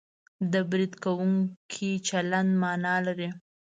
د برید کوونکي چلند مانا لري